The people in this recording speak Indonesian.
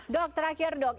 dok terakhir dok